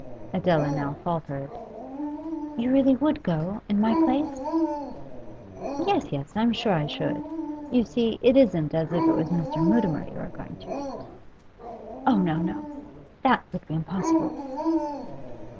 Adela now faltered. 'You really would go, in my place?' 'Yes, yes, I'm sure I should. You see, it isn't as if it was Mr. Mutimer you were going to meet.' 'Oh, no, no That would be impossible.